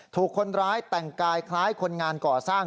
ถูกคนร้ายแต่งกายคล้ายคนงานก่อสร้าง